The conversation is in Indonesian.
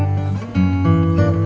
terima kasih ya mas